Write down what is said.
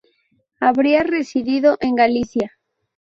Habría residido en Galicia.